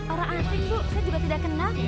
orang asing bu saya juga tidak kenal